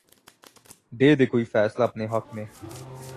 دے دے کوئی فیصلہ اپنے حق میں